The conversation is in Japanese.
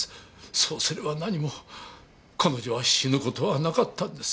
そうすれば何も彼女は死ぬ事はなかったんです。